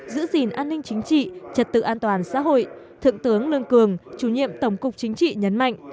giữ gìn an ninh chính trị trật tự an toàn xã hội thượng tướng lương cường chủ nhiệm tổng cục chính trị nhấn mạnh